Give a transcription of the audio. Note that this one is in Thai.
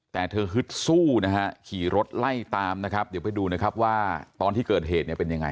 แต่เธอฮึดสู้นะฮะขี่รถไล่ตามนะครับเดี๋ยวไปดูนะครับว่าตอนที่เกิดเหตุเนี่ยเป็นยังไง